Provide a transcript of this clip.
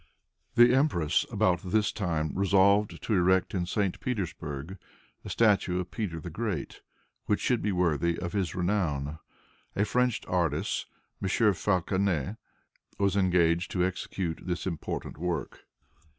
The empress, about this time, resolved to erect, in St. Petersburg, a statue of Peter the Great, which should be worthy of his renown. A French artist, M. Falconet, was engaged to execute this important work.